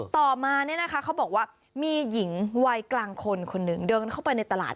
ต่อมาเขาบอกว่ามีหญิงวัยกลางคนคนนึงเดินเข้าไปในตลาด